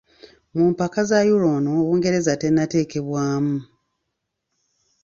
Mu mpaka za Euro ono Bungereza tennateebwamu.